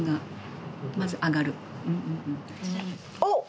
おっ！